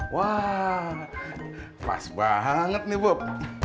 wah pas banget nih bub